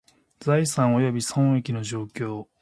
財産および損益の状況